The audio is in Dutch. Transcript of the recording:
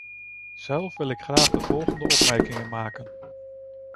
Zelf wil ik graag de volgende opmerkingen maken.